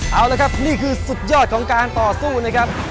เอาละครับนี่คือสุดยอดของการต่อสู้นะครับ